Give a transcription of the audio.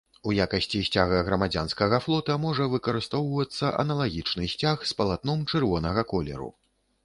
У якасці сцяга грамадзянскага флота можа выкарыстоўвацца аналагічны сцяг з палатном чырвонага колеру.